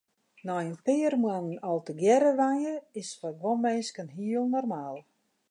Nei in pear moannen al tegearre wenje is foar guon minsken hiel normaal.